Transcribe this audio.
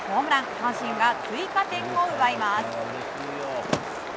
阪神が追加点を奪います。